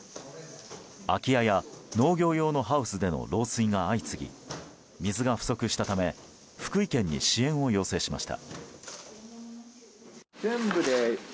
空き家や農業用のハウスでの漏水が相次ぎ水が不足したため福井県に支援を要請しました。